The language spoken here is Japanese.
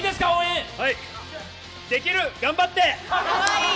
できる！頑張って！